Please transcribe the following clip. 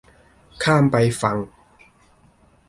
ข้ามไปฝั่ง